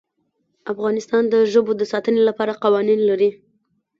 افغانستان د ژبو د ساتنې لپاره قوانین لري.